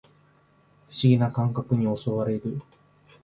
不思議な感覚に襲われる